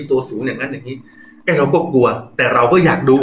ตัวสูงอย่างงั้นอย่างงี้ไอ้เราก็กลัวแต่เราก็อยากดู